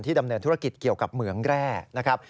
ที่ดำเนินธุรกิจเกี่ยวกับเหมืองแรก